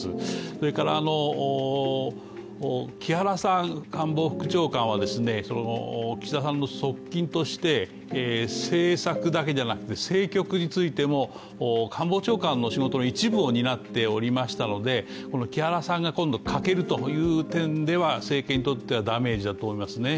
それから木原官房副長官は岸田さんの側近として政策だけじゃなくて政局についても官房長官の一部を担っておりましたので木原さんが今度欠けるという点では政権にとってはダメージだと思います。